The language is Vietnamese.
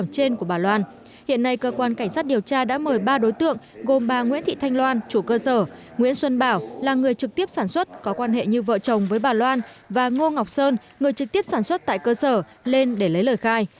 hiện nay cơ quan cảnh sát điều tra đã mời ba đối tượng gồm bà nguyễn thị thanh loan chủ cơ sở nguyễn xuân bảo là người trực tiếp sản xuất có quan hệ như vợ chồng với bà loan và ngô ngọc sơn người trực tiếp sản xuất tại cơ sở lên để lấy lời khai